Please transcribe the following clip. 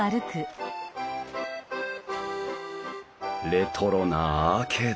レトロなアーケード。